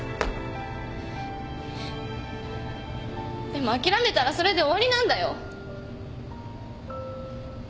でもあきらめたらそれで終わりなんだよ。